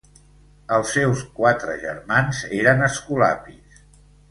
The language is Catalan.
Els seus quatre germans eren escolapis.